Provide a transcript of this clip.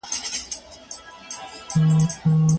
هغوی مخکي اړیکي نه لرلې.